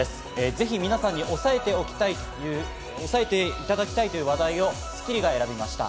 ぜひ皆さんに押さえておいていただきたいという話題を『スッキリ』が選びました。